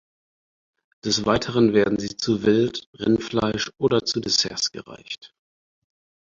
Des Weiteren werden sie zu Wild, Rindfleisch oder zu Desserts gereicht.